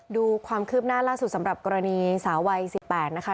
ดูความคืบหน้าล่าสุดสำหรับกรณีสาววัย๑๘นะคะ